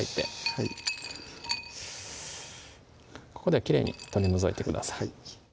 はいここできれいに取り除いてください